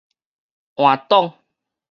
換檔